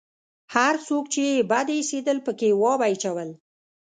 هر څوک چې يې بد اېسېدل پکښې وابه يې چول.